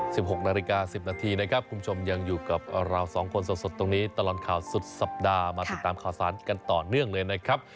หกนาฬิกาสิบนาทีนะครับคุณผู้ชมยังอยู่กับเราสองคนสดสดตรงนี้ตลอดข่าวสุดสัปดาห์มาติดตามข่าวสารกันต่อเนื่องเลยนะครับ